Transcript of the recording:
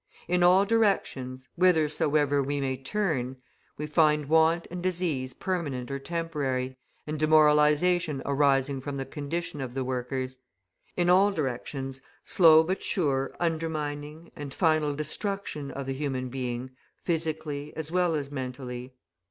In all directions, whithersoever we may turn, we find want and disease permanent or temporary, and demoralisation arising from the condition of the workers; in all directions slow but sure undermining, and final destruction of the human being physically as well as mentally.